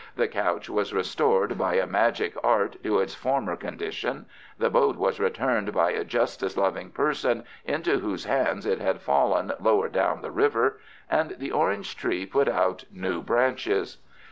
The couch was restored by magic art to its former condition, the boat was returned by a justice loving person into whose hands it had fallen lower down the river, and the orange tree put out new branches.